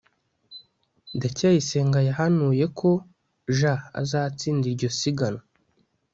ndacyayisenga yahanuye ko j azatsinda iryo siganwa